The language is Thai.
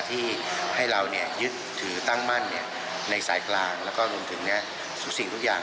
ที่ให้เรายึดถือตั้งมั่นในสายกลางแล้วก็รวมถึงทุกสิ่งทุกอย่าง